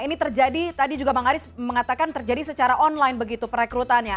ini terjadi tadi juga bang aris mengatakan terjadi secara online begitu perekrutannya